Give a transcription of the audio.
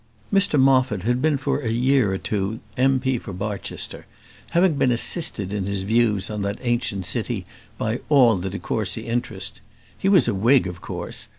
Mr Moffat had been for a year or two M.P. for Barchester; having been assisted in his views on that ancient city by all the de Courcy interest. He was a Whig, of course.